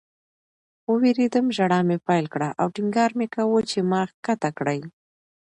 ووېرېدم. ژړا مې پیل کړه او ټینګار مې کاوه چې ما ښکته کړئ